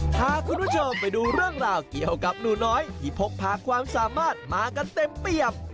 พาคุณผู้ชมไปดูเรื่องราวเกี่ยวกับหนูน้อยที่พกพาความสามารถมากันเต็มเปรียบ